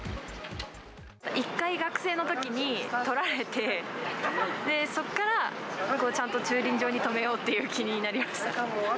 １回、学生のときに取られて、そこから、ちゃんと、駐輪場に止めようっていう気になりました。